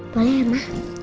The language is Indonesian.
boleh ya ma